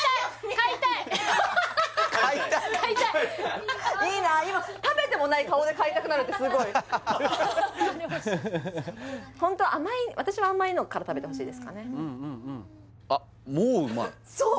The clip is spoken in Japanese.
買いたいっいいなー今食べてもない顔で買いたくなるってすごいホントは甘い私は甘いのから食べてほしいですかねそう！